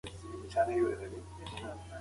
هیلې خپل زنګونونه خپل زړه ته نږدې کړل.